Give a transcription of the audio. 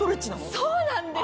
そうなんですよ。